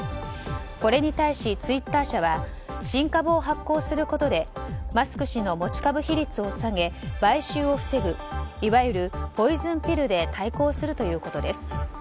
これに対し、ツイッター社は新株を発行することでマスク氏の持ち株比率を下げ買収を防ぐいわゆるポイズンピルで対抗するということです。